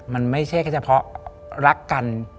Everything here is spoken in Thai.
มันไม่ใช่แค่เฉพาะรักกัน